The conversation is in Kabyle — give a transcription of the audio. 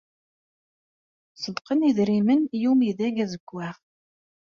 Ṣeddqen idrimen i Umidag Azewwaɣ.